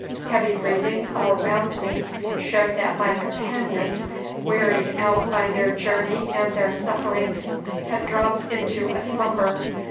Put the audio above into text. Heavy breathing all round me showed that my companions, wearied out by their journey and their sufferings, had dropped into a slumber.